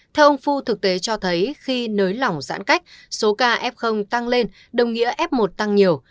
theo ông phu thực tế cho thấy khi nới lỏng giãn cách số ca f tăng lên đồng nghĩa f một tăng nhiều